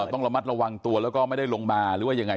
ต้องระมัดระวังตัวแล้วก็ไม่ได้ลงมาหรือว่ายังไง